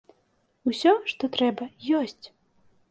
Усё, што трэба, ёсць.